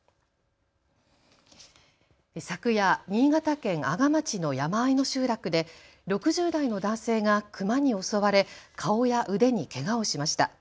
昨夜、新潟県阿賀町の山あいの集落で６０代の男性がクマに襲われ顔や腕にけがをしました。